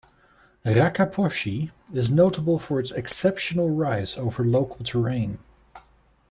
Rakaposhi is notable for its exceptional rise over local terrain.